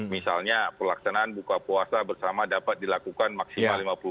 misalnya pelaksanaan buka puasa bersama dapat dilakukan maksimal